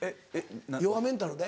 弱メンタルで？